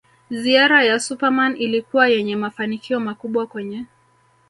Ziara ya Super Man ilikuwa yenye mafanikio makubwa kwenye